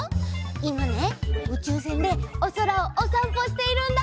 いまねうちゅうせんでおそらをおさんぽしているんだ！